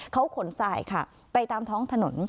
เขาขนสายค่ะไปตามท้องถนน